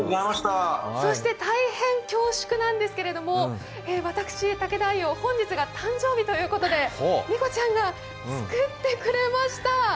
そして、大変恐縮なんですけれども私、武田伊央本日が誕生日ということで仁子ちゃんが作ってくれました。